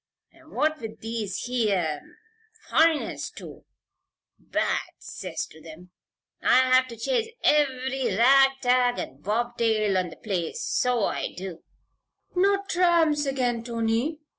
An' what with these here foreigners too bad 'cess to them! I have to chase ev'ry rag tag and bobtail on the place, so I do " "Not tramps again, Tony?"